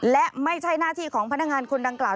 และไม่ใช่หน้าที่ของพนักงานคนดังกล่าว